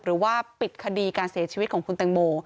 หรือว่าปิดคดีการเสียชีวิตของคุณแตงโม